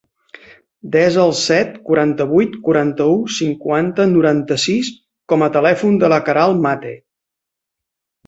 Desa el set, quaranta-vuit, quaranta-u, cinquanta, noranta-sis com a telèfon de la Queralt Mate.